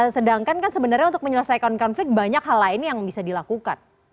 sedangkan kan sebenarnya untuk menyelesaikan konflik banyak hal lain yang bisa dilakukan